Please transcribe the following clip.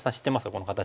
この形。